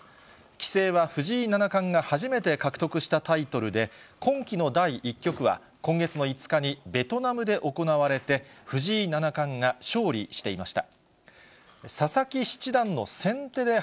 棋聖は藤井七冠が初めて獲得したタイトルで、今期の第１局は、今月の５日にベトナムで行われて、藤井七冠が勝利していました。